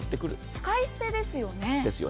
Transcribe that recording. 使い捨てですよね。